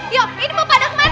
ya ini mau pada kemana